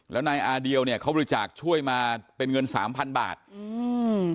แล้วนายอาเดียวเนี้ยเขาบริจาคช่วยมาเป็นเงินสามพันบาทอืม